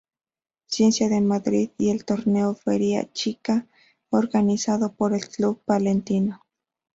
Ciencias de Madrid y el "Torneo Feria Chica" organizado por el Club Palentino.